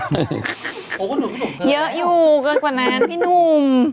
โอ้โหเยอะอยู่เกินกว่านั้นพี่หนุ่ม